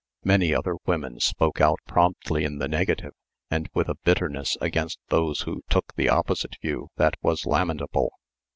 Many other women spoke out promptly in the negative, and with a bitterness against those who took the opposite view that was lamentable.